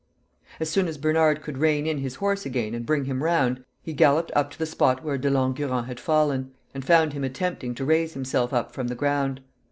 As soon as Bernard could rein in his horse again and bring him round, he galloped up to the spot where De Langurant had fallen, and found him attempting to raise himself up from the ground.